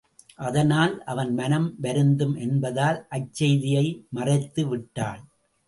அதனால் அவன் மனம் வருந்தும் என்பதால் அச் செய்தியை மறைத்து விட்டாள்.